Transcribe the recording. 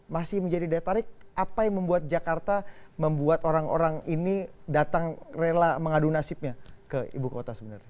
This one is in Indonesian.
masih menjadi daya tarik apa yang membuat jakarta membuat orang orang ini datang rela mengadu nasibnya ke ibu kota sebenarnya